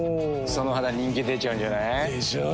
その肌人気出ちゃうんじゃない？でしょう。